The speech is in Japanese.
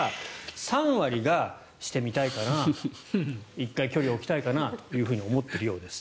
３割がしてみたいかなと１回距離を置きたいかなと思っているようです。